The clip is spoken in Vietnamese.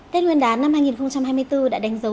tết nguyên đán năm hai nghìn hai mươi bốn đã đánh dấu